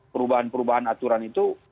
perubahan perubahan aturan itu